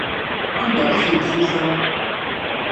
Anda i tent-tufam?